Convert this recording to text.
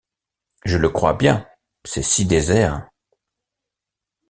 Je le crois bien, C’est si désert!